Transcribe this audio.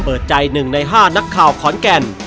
เปิดใจหนึ่งในห้านักข่าวขอนแก่น